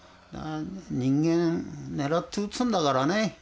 人間狙って撃つんだからね。